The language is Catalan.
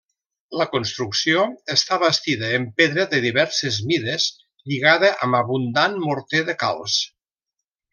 La construcció està bastida en pedra de diverses mides lligada amb abundant morter de calç.